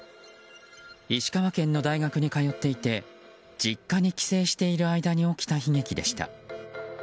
石川県の大学に通っていて実家に帰省している間に起きた悲劇でした。